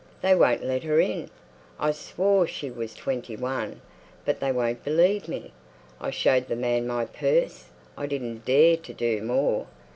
"They won't let her in. I swore she was twenty one. But they won't believe me. I showed the man my purse; I didn't dare to do more.